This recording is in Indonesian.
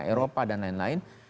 eropa dan lain lain